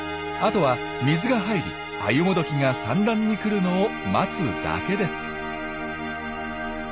あとは水が入りアユモドキが産卵に来るのを待つだけです。